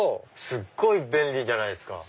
すっごい便利じゃないっすか。